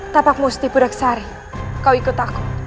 tapakmu setiap beres hari kau ikut aku